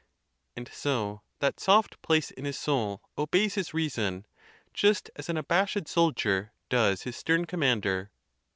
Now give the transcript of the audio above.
ON BEARING PAIN. 85 And so that soft place in his soul obeys his reason, just as an abashed soldier does his stern commander.